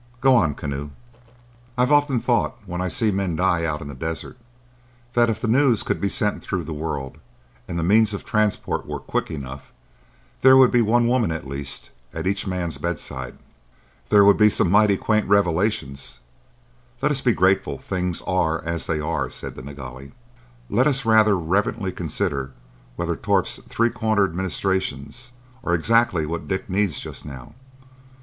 —Go on, Keneu." "I've often thought, when I've seen men die out in the desert, that if the news could be sent through the world, and the means of transport were quick enough, there would be one woman at least at each man's bedside." "There would be some mighty quaint revelations. Let us be grateful things are as they are," said the Nilghai. "Let us rather reverently consider whether Torp's three cornered ministrations are exactly what Dick needs just now.